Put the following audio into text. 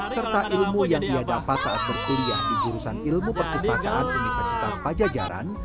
serta ilmu yang ia dapat saat berkuliah di jurusan ilmu perpustakaan universitas pajajaran